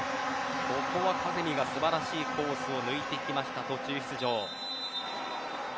ここはカゼミが素晴らしいコースを抜いてきました、途中出場。